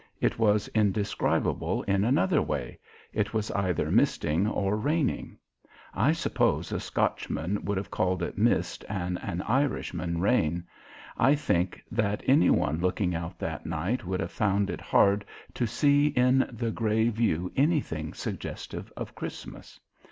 It was indescribable in another way, it was either misting or raining. I suppose a Scotchman would have called it mist and an Irishman rain. I think that any one looking out that night would have found it hard to see in the gray view anything suggestive of Christmas.